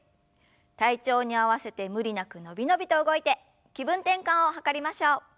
体調に合わせて無理なく伸び伸びと動いて気分転換を図りましょう。